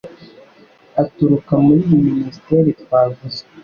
aturuka muri iyi Minisiteri twavuze